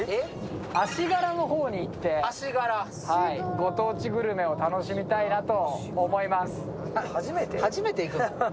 足柄の方に行ってご当地グルメを楽しみたいなと思います。